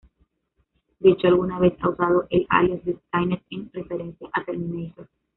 De hecho, alguna vez ha usado el alias de Skynet, en referencia a "Terminator".